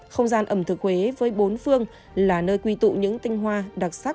không gian ẩm thực huế với bốn phương là nơi quy tụ những tinh hoa đặc sắc